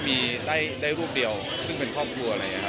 คุณแม่น้องให้โอกาสดาราคนในผมไปเจอคุณแม่น้องให้โอกาสดาราคนในผมไปเจอ